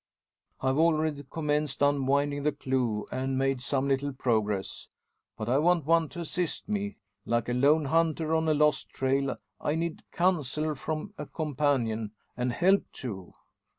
I've already commenced unwinding the clue, and made some little progress. But I want one to assist me. Like a lone hunter on a lost trail, I need counsel from a companion and help too.